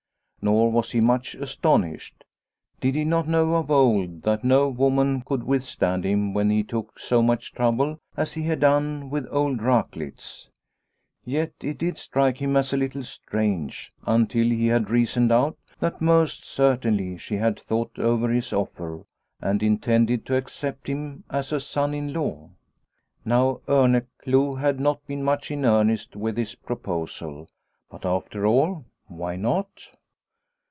Nor was he much astonished. Did he not know of old that no woman could withstand him when he took so much trouble as he had done with old Raklitz ? Yet it did strike him as a little strange until he had reasoned out that most certainly she had thought over his offer and intended to accept him as a son in law. Now Orneclou had not been much in earnest with his proposal. But, after all, why not